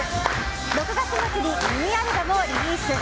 ６月末にミニアルバムをリリース。